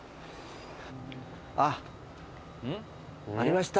あっありました。